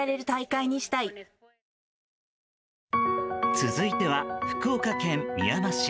続いては、福岡県みやま市。